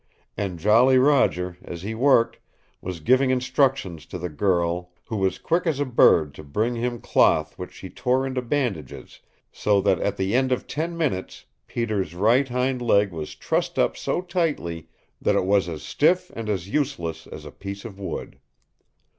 And Jolly Roger, as he worked, was giving instructions to the girl, who was quick as a bird to bring him cloth which she tore into bandages, so that at the end of ten minutes Peter's right hind leg was trussed up so tightly that it was as stiff and as useless as a piece of wood.